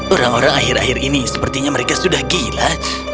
orang orang akhir akhir ini sepertinya mereka sudah gila